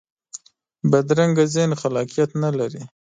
بدرنګه ذهن خلاقیت نه لري